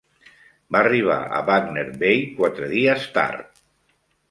Va arribar a Buckner Bay quatre dies tard.